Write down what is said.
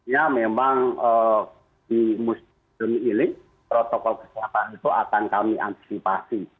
ya memang di masjid ili protokol kesehatan itu akan kami antisipasi